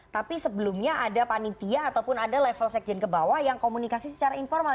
tapi sebelumnya ada panitia ataupun ada level sekjen ke bawah yang komunikasi secara informal